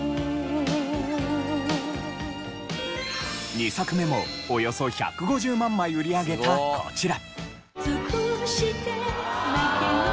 ２作目もおよそ１５０万枚売り上げたこちら。